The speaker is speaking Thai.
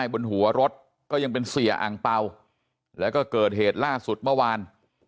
บนหัวรถก็ยังเป็นเสียอังเป่าแล้วก็เกิดเหตุล่าสุดเมื่อวาน